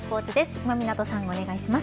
今湊さん、お願いします。